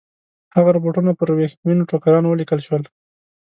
هغه رپوټونه پر ورېښمینو ټوکرانو ولیکل شول.